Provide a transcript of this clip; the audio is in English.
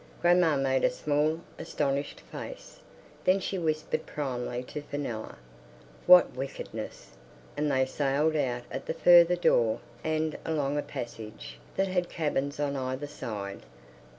Grandma made a small, astonished face. Then she whispered primly to Fenella. "What wickedness!" And they sailed out at the further door and along a passage that had cabins on either side.